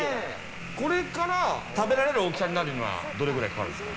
これから食べられる大きさになるにはどれぐらいですか。